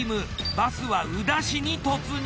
バスは宇陀市に突入。